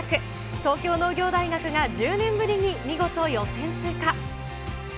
東京農業大学が１０年ぶりに見事、予選通過。